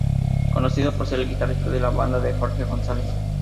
Conocido por ser el guitarrista de la banda de Jorge González.